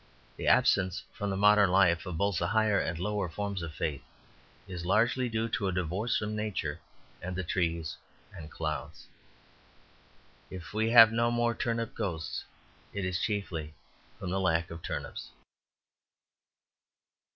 The absence from modern life of both the higher and lower forms of faith is largely due to a divorce from nature and the trees and clouds. If we have no more turnip ghosts it is chiefly from the lack of turnips.